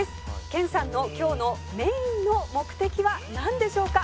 「研さんの今日のメインの目的はなんでしょうか？」